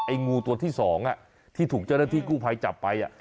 ไอ้งูตัวที่สองที่ถุงเจ้าหน้าที่กู้ไพยจับไป